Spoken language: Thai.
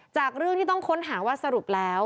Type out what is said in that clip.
จากเรื่องที่ต้องค้นหาว่าสรุปแล้ว